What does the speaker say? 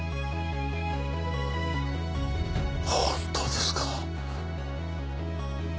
本当ですか。